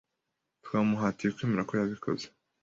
Twamuhatiye kwemera ko yabikoze.